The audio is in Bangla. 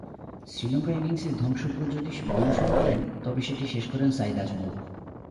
শ্রীলঙ্কার ইনিংসের ধ্বংসজ্ঞ যদি গুল শুরু করেন, তবে সেটি শেষ করেন সাঈদ আজমল।